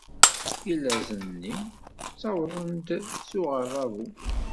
Ilzazen-nni ttawḍen-d s uɣerrabu.